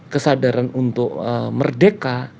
kesadaran untuk merdeka